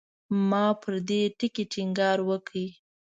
ما پر دې ټکي ټینګار وکړ.